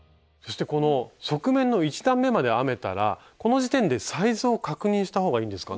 そしてこの側面の１段めまで編めたらこの時点でサイズを確認した方がいいんですか？